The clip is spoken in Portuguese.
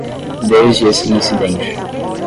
Desde esse incidente